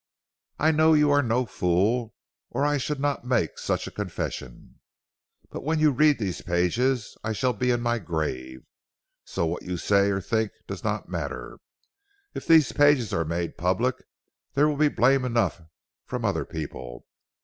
I know you are no fool, or I should not make such a confession. But when you read these pages I shall be in my grave, so what you say or think does not matter. If these pages are made public, there will be blame enough from other people.